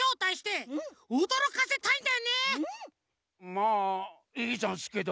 まあいいざんすけど。